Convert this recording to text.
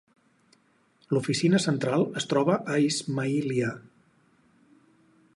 L'oficina central es troba a Ismailia.